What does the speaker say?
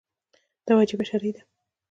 دا وجیبه شرعي ده.